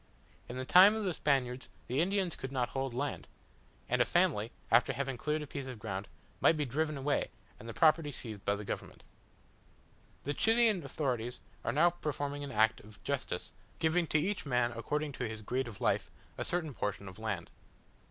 In the time of the Spaniards the Indians could not hold land; and a family, after having cleared a piece of ground, might be driven away, and the property seized by the government. The Chilian authorities are now performing an act of justice by making retribution to these poor Indians, giving to each man, according to his grade of life, a certain portion of land.